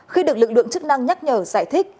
khi được lực lượng chức năng nhắc nhở giải thích